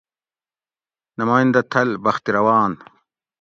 نمائندہ تھل: بخت روان